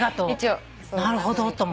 なるほどと思った。